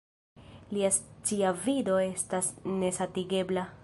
Lia sciavido estas nesatigebla.